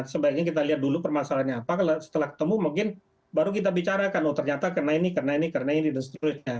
sebaiknya kita lihat dulu permasalahannya apa setelah ketemu mungkin baru kita bicarakan oh ternyata kena ini kena ini karena ini dan seterusnya